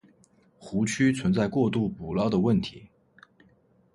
湖区存在过度捕捞的问题。